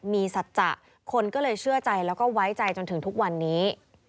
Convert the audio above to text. มีสัจจะคนก็เลยเชื่อใจแล้วก็ไว้ใจจนถึงทุกวันนี้